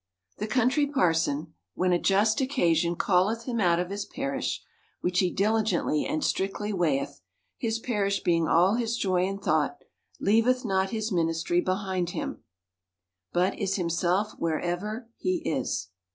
The Country Parson, when a just occasion calleth him out of his parish (which he diligently and strictly weigheth, his parish being all his joy and thought), leaveth not his ministry behind him ; but is himself wherever he is.